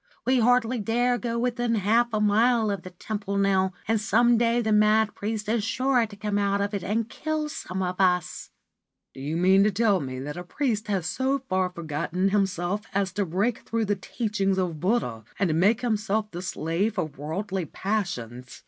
We hardly dare go within half a mile of the temple now, and some day the mad priest is sure to come out of it and kill some of us/ * Do you mean to tell me that a priest has so far forgotten himself as to break through the teachings of Buddha and make himself the slave of worldly passions